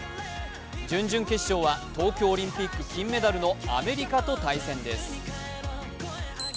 準々決勝は東京オリンピック金メダルのアメリカと対戦です。